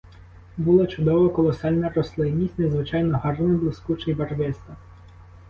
Була чудова, колосальна рослинність, незвичайно гарна, блискуча й барвиста.